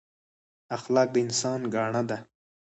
اخلاق د انسان ګاڼه ده